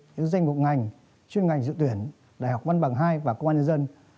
những danh mục ngành chuyên ngành dự tuyển đại học văn bằng hai và công an nhân dân